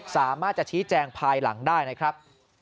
สามารถจะชี้แจงภายหลังได้นะครับ